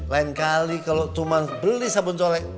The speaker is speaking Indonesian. lain kali kalo cuma beli sabun colek